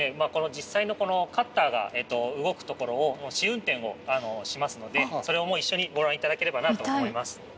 実際のこのカッターが動くところを試運転をしますのでそれを一緒にご覧頂ければなと思います。